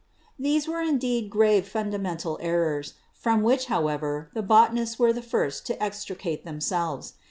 These were indeed grave fundamental errors, from which, however, the botanists were the first to extricate themselves.